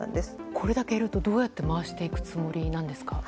これだけ減ると、どうやって回していくつもりなんですか。